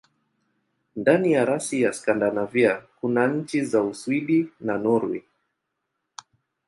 Ndani ya rasi ya Skandinavia kuna nchi za Uswidi na Norwei.